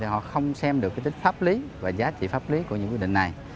họ không xem được tính pháp lý và giá trị pháp lý của những quy định này